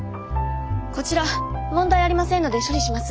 こちら問題ありませんので処理します。